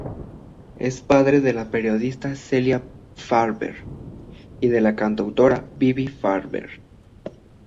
Es padre de la periodista Celia Farber y de la cantautora Bibi Farber.